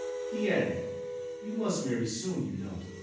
He added :* You must marry soon, you know.